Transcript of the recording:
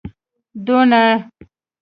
دونۍ